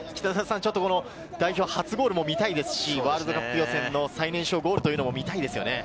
代表初ゴールも見たいですし、ワールドカップ予選の最年少ゴールというのをみたいですよね。